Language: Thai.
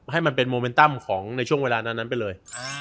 ให้มันเป็นโมเมนตัมของในช่วงเวลานั้นไปเลย